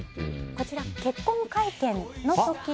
こちらは結婚会見の時の。